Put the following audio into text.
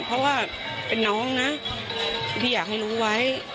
เพราะว่าเป็นน้องนะพี่อยากให้รู้ไว้